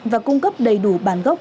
và cung cấp đầy đủ bản gốc